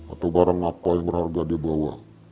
atau barang apa yang berharga dia bawa